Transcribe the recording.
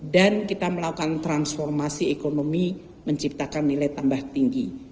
dan kita melakukan transformasi ekonomi menciptakan nilai tambah tinggi